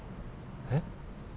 えっ？